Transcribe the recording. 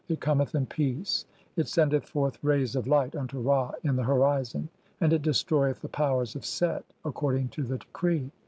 "It cometh in peace, it sendeth "forth rays of light unto Ra in the horizon, and it destroyeth "the powers (3) of Set according to the decree